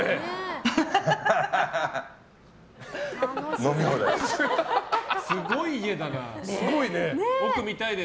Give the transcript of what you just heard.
飲み放題で。